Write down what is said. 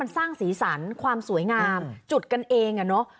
มันสร้างศีรษรความสวยงามจุดกันเองอ่ะเนอะ